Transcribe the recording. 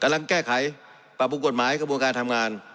กำลังแก้ไขปรับปรุงกฎหมายกระบวนการทำงาน